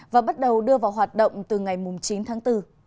và bắt đầu đưa vào hoạt động từ ngày chín tháng bốn